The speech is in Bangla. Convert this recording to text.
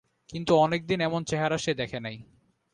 কিন্তু অনেক দিন এমন চেহারা সে দেখে নাই।